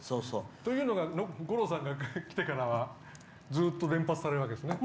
というのが五郎さんが来てからはずっと連発されるわけですね。